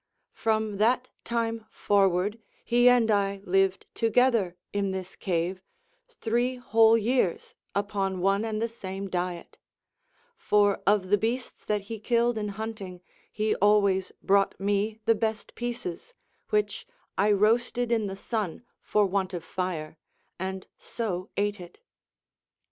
From that time forward he and I lived together in this cave three whole years upon one and the same diet; for of the beasts that he killed in hunting he always brought me the best pieces, which I roasted in the sun for want of fire, and so ate it.